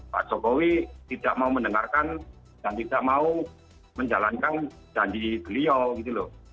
pak jokowi tidak mau mendengarkan dan tidak mau menjalankan janji beliau gitu loh